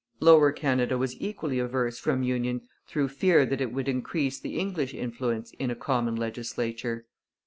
Lower Canada was equally averse from union through fear that it would increase the English influence in a common legislature.